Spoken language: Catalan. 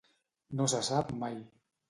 No se sap mai.